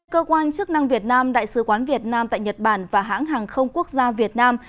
cơ quan chức năng việt nam đại sứ quán việt nam tại nhật bản và hãng hàng không quốc gia việt nam